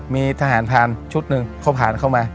มีทหารผ่านชุดหนึ่งเขาผ่านเข้ามา